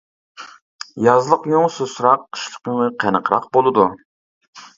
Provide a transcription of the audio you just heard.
يازلىق يۇڭى سۇسراق، قىشلىق يۇڭى قېنىقراق بولىدۇ.